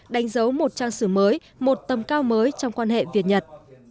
đánh dấu một trang sử mới một tầm cao mới trong quan hệ việt nhật